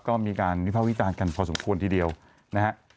ก็มีการวิภาควิจารณ์กันพอสมควรทีเดียวนะฮะ